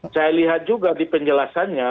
saya lihat juga di penjelasannya